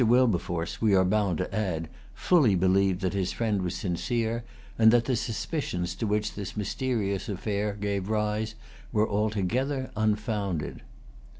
Wilberforce, we are bound to add, fully believed that his friend was sincere, and that the suspicions to which this mysterious affair gave rise were altogether unfounded.